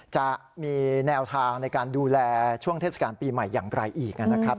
จะมีแนวทางในการดูแลช่วงเทศกาลปีใหม่อย่างไรอีกนะครับ